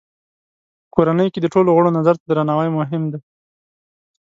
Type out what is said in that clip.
په کورنۍ کې د ټولو غړو نظر ته درناوی مهم دی.